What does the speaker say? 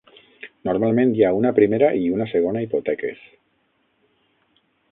Normalment hi ha una primera i una segona hipoteques.